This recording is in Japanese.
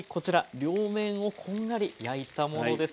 両面をこんがり焼いたものです。